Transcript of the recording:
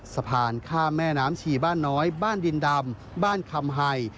สะพานข้ามแม่น้ำชีบ้านน้อยบ้านดินดำบ้านคำไฮ